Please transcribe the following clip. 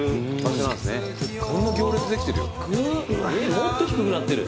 もっと低くなってる。